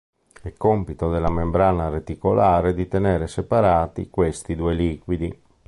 È compito della membrana reticolare di tenere separati questi due liquidi.